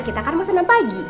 kita kan mau senam pagi